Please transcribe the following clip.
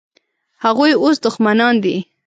هغوی اوس دښمنان دي.